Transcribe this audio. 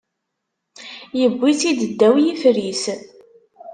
Iwwi-tt-id ddaw ifer-is.